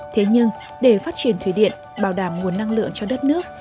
thế nhưng để phát triển thủy điện bảo đảm nguồn năng lượng cho đất nước